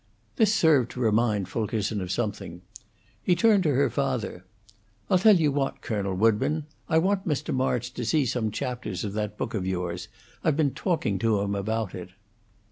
This served to remind Fulkerson of something. He turned to her father. "I'll tell you what, Colonel Woodburn, I want Mr. March to see some chapters of that book of yours. I've been talking to him about it."